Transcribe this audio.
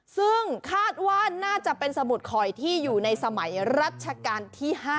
ซึ่งคาดว่าน่าจะเป็นสมุดข่อยที่อยู่ในสมัยรัชกาลที่๕